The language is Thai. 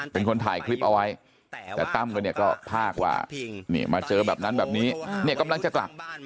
เป็นคนถ่ายคลิปเอาไว้แต่ตั้มก็เนี่ยก็พากว่ามาเจอแบบนั้นแบบนี้เนี่ยกำลังจะกลับ